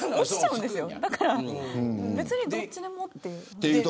だから、どっちでもっていう。